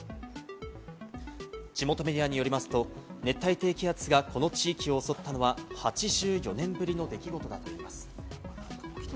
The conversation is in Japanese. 地元メディアによりますと、熱帯低気圧がこの地域を襲ったのは８４年ぶりの出来事だといいます。